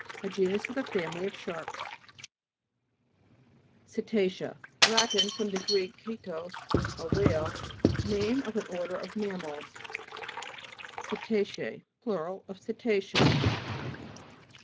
A genus of the family of sharks (p. 45). CETA'CEA Lat. fr. gr. kelos, a whale. Name of an order of mam mals. CETA'CEJE Plur. of ceta'cea.